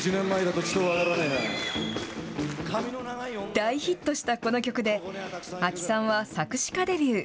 大ヒットしたこの曲で阿木さんは作詞家デビュー。